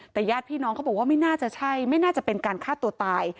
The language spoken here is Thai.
แต่ญาติพี่น้องเขาบอกว่าไม่น่าจะใช่ไม่น่าจะเป็นการฆ่าตัวตาย